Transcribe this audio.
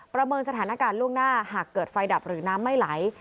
ประเมินสถานการณ์ล่วงหน้าหากเกิดไฟดับหรือน้ำไม่ไหล